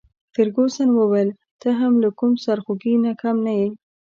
فرګوسن وویل: ته هم له کوم سرخوږي نه کم نه يې.